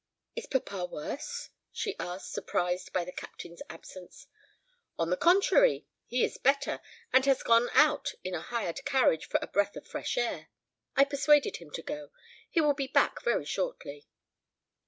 "Is papa worse?" she asked, surprised by the Captain's absence. "On the contrary, he is better, and has gone out in a hired carriage for a breath of fresh air. I persuaded him to go. He will be back very shortly."